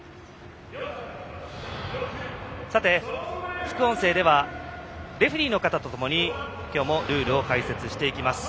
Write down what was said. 副音声ではレフリーの方と共に今日もルールを解説していきます。